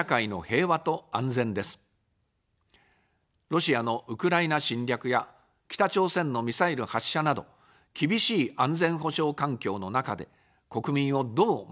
ロシアのウクライナ侵略や北朝鮮のミサイル発射など、厳しい安全保障環境の中で、国民をどう守り抜くか。